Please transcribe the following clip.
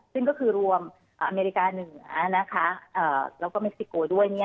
ซึ่งก็คือรวมอเมริกาเหนือแล้วก็เม็กซิโกด้วย